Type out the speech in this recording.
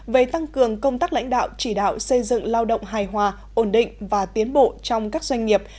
về tăng cường công tác lãnh đạo chỉ đạo xây dựng lao động hài hòa ổn định và tiến bộ trong các doanh nghiệp